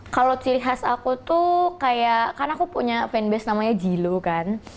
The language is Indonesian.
kalau ciri khas aku tuh kayak karena aku punya fanbase namanya jilo kan